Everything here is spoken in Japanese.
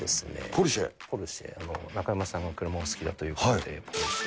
ポルシェ、中山さんが車、お好きだということで。